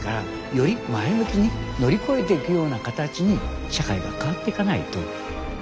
より前向きに乗り越えていくような形に社会が変わっていかないと。